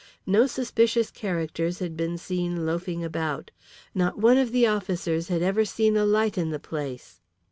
No suspicious characters had been seen loafing about. Not one of the officers had ever seen a light in the place.